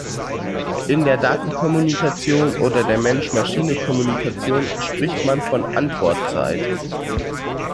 In der Datenkommunikation oder der Mensch-Maschine-Kommunikation spricht man von Antwortzeit.